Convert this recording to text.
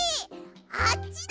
あっちだ！